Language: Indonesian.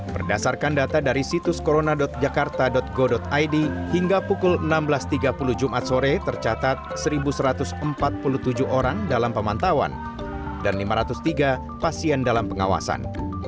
berdasarkan data dari situs corona jakarta go id hingga pukul enam belas tiga puluh jumat sore tercatat satu satu ratus empat puluh tujuh orang dalam pemantauan dan lima ratus tiga pasien dalam pengawasan